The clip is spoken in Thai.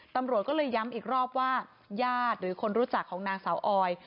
ตำรวจก็เลยย้ำอีกรอบว่าญาติหรือคนรู้จักของนางสาวออย